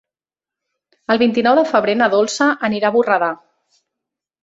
El vint-i-nou de febrer na Dolça anirà a Borredà.